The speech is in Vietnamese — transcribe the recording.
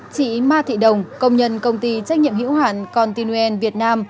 chị ma thị đồng công nhân công ty trách nhiệm hữu hẳn continuen việt nam